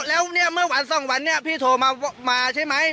แล้วเนี่ยเมื่อวันสองวันนี้พี่โทรมาใช่ไหม